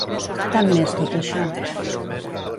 Tant m'és tot això.